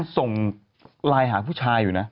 ส่งไลน์หาผู้ชายอยู่นะ